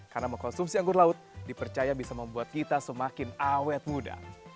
karena mengkonsumsi anggur laut dipercaya bisa membuat kita semakin awet muda